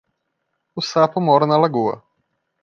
O sapo mora na lagoa.